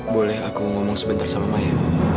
boleh aku ngomong sebentar sama maya